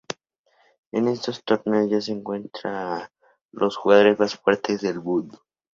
En estos torneos ya se encuentra a los jugadores más fuertes del mundo.